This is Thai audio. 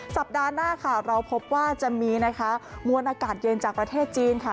สัปดาห์หน้าค่ะเราพบว่าจะมีนะคะมวลอากาศเย็นจากประเทศจีนค่ะ